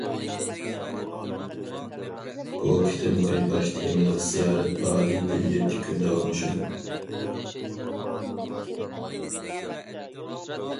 بۇ قېتىمقى باش تېمىلىق زىيارەت پائالىيىتى يەتتە كۈن داۋاملىشىدۇ.